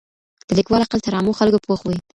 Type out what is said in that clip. د ليکوال عقل تر عامو خلګو پوخ وي.